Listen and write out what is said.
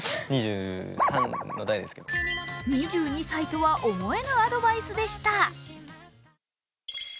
２２歳とは思えぬアドバイスでした。